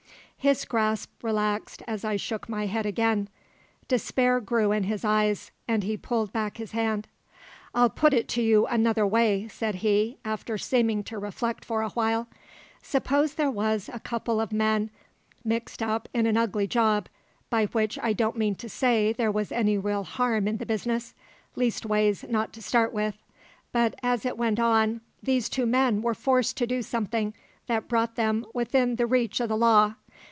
His grasp relaxed as I shook my head again. Despair grew in his eyes, and he pulled back his hand. "I'll put it to you another way," said he, after seeming to reflect for a while. "Suppose there was a couple o' men mixed up in an ugly job by which I don't mean to say there was any real harm in the business; leastways not to start with; but, as it went on, these two men were forced to do something that brought them within reach o' the law.